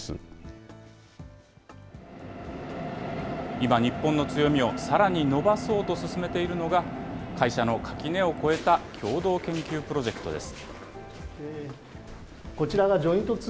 今、日本の強みをさらに伸ばそうと進めているのが、会社の垣根を越えた共同研究プロジェクトです。